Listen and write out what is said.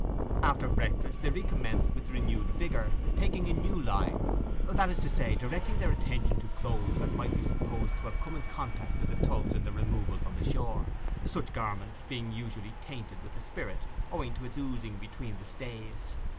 After breakfast they recommenced with renewed vigour, taking a new line; that is to say, directing their attention to clothes that might be supposed to have come in contact with the tubs in their removal from the shore, such garments being usually tainted with the spirit, owing to its oozing between the staves.